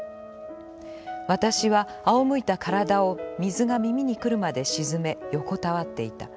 私はあお向いた身体を水が耳に来るまで沈め、横たわっていた。